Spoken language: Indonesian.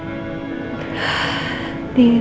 ibu akan mengatakan